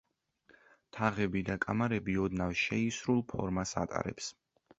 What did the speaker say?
თაღები და კამარები ოდნავ შეისრულ ფორმას ატარებს.